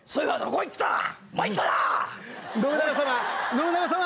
信長様？